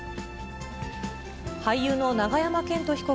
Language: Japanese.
俳優の永山絢斗被告